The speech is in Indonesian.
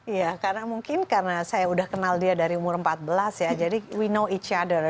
iya karena mungkin karena saya udah kenal dia dari umur empat belas ya jadi we know e cheater